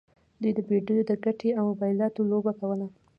دوی د بیډیو د ګټې او بایلات لوبه کوله.